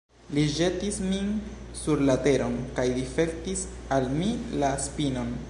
Li ĵetis min sur la teron kaj difektis al mi la spinon.